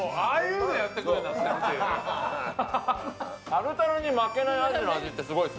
タルタルに負けないアジの味ってすごいですね。